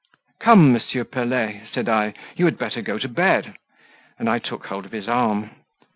"Come, M. Pelet," said I, "you had better go to bed," and I took hold of his arm.